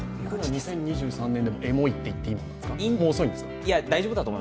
２０２３年でもエモいって言っていいですか？